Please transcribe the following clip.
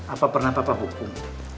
apa pernah papa hukum